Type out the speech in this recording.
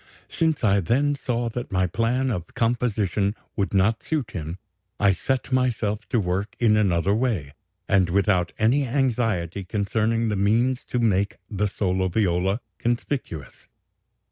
"Since I then saw that my plan of composition would not suit him, I set myself to work in another way, and without any anxiety concerning the means to make the solo viola conspicuous.